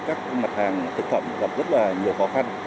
các mặt hàng thực phẩm gặp rất là nhiều khó khăn